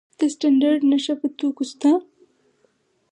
د سټنډرډ نښه په توکو شته؟